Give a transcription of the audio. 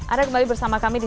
ada kembali bersama kami di